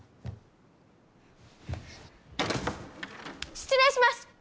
失礼します！